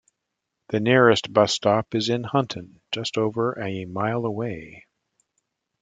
The nearest bus stop is in Hunton, just over a mile away.